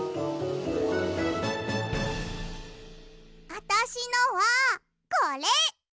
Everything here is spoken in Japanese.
あたしのはこれ！